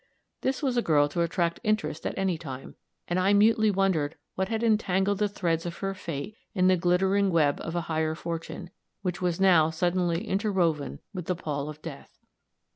This was a girl to attract interest at any time, and I mutely wondered what had entangled the threads of her fate in the glittering web of a higher fortune, which was now suddenly interwoven with the pall of death.